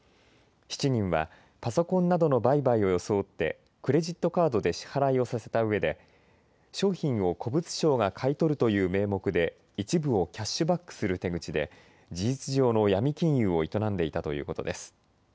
７人はパソコンなどの売買を装ってクレジットカードで支払いをさせたうえで商品を古物商が買い取るという名目で一部をキャッシュバックする手口で事実上のヤミ金融を営んでいたということです。